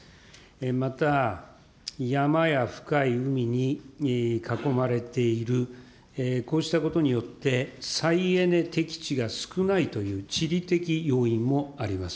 また、山や深い海に囲まれている、こうしたことによって、再エネ適地が少ないという地理的要因もあります。